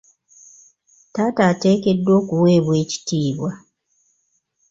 Taata ateekeddwa okuweebwa ekitiibwa.